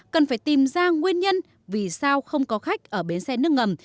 cần phải tìm ra nguyên nhân vì sao không có khách ở bến xe nước ngầm